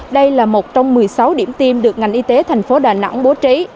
đây là một trong một mươi sáu điểm tiêm được ngành y tế tp đà nẵng bố trí